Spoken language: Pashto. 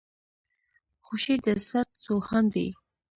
خوشي د سرت سو هان دی.